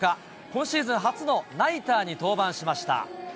今シーズン初のナイターに登板しました。